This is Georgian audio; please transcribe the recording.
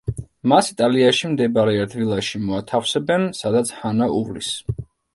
მას იტალიაში მდებარე ერთ ვილაში მოათავსებენ, სადაც ჰანა უვლის.